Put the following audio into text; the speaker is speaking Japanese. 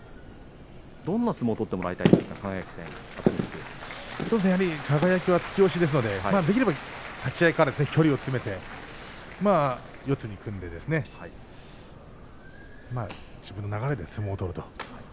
どんな相撲を取ってもらいたい輝は突き押しですのでできれば立ち合いから距離を詰めて四つに組んで自分の流れで相撲を取ると。